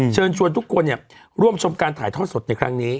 เชิญชวนทุกคนร่วมชมการถ่ายทอดสดในครั้งนี้